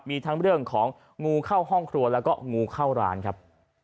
มีทั้งเรื่องของงูเข้าห้องครัวแล้วก็งูเข้าร้านครับ